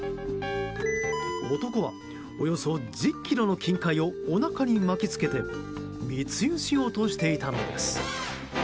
男はおよそ１０ｋｇの金塊をおなかに巻き付けて密輸しようとしていたのです。